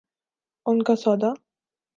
ان کا سودا؟